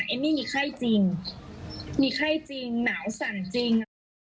เอมมี่มีไข้จริงมีไข้จริงหนาวสั่นจริง